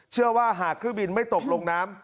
เชื่อว่าหากเครื่องบินไม่ตกลงน้ำ